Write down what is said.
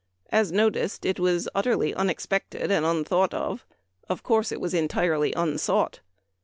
As noticed, it was utterly unexpected and un thought of ; of course it was entirely unsought.